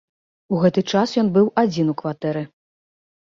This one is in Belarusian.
У гэты час ён быў адзін у кватэры.